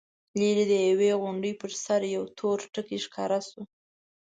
ليرې د يوې غونډۍ پر سر يو تور ټکی ښکاره شو.